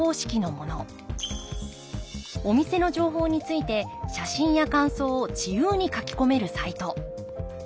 お店の情報について写真や感想を自由に書き込めるサイト。